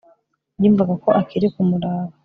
Yumvaga ko akiri kumuraba